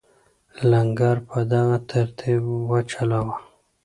لنګر په دغه ترتیب وچلاوه.